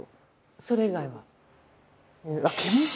それ以外は？